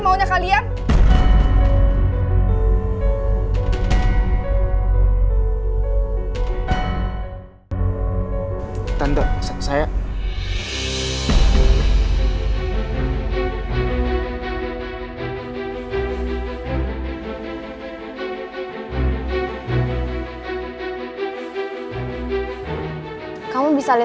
yaudah kalau gitu aku nunggu disini ya